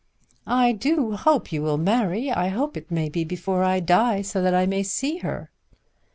"I do hope you will marry. I hope it may be before I die, so that I may see her."